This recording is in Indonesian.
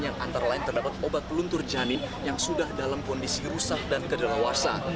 yang antara lain terdapat obat peluntur janin yang sudah dalam kondisi rusak dan kedelawasa